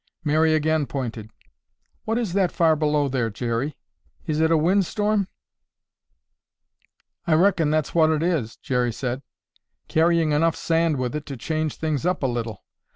Mary again pointed. "What is that far below there, Jerry? Is it a wind storm?" "I reckon that's what it is," Jerry said. "Carrying enough sand with it to change things up a little.